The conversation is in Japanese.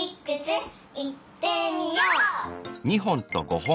いってみよっ！